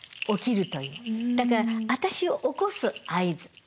だから私を起こす合図。